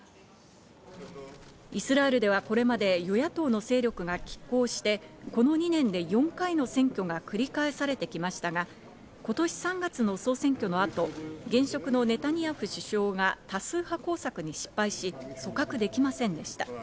イスラエルではこれまで与野党の勢力がきっ抗して、この２年で４回の選挙が繰り返されてきましたが、今年３月の総選挙の後、現職のネタニヤフ首相が多数派工作に失敗し、組閣できませんでした。